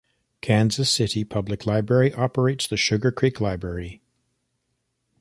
Kansas City Public Library operates the Sugar Creek Library.